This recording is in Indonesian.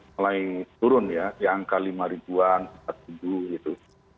mulai turun ya di angka lima ribuan empat ribu gitu